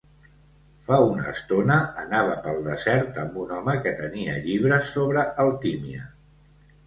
Fa una estona, anava pel desert amb un home que tenia llibres sobre alquímia.